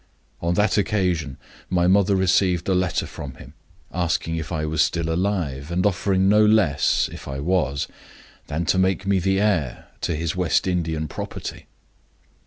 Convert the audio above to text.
On that occasion my mother received a letter from him asking if I was still alive, and offering no less (if I was) than to make me the heir to his West Indian property.